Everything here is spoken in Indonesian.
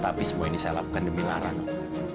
tapi semua ini saya lakukan demi lara nona